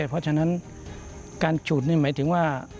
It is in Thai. เพราะฉะนั้นการฉูดนี่หมายถึงว่า